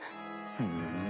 ふん。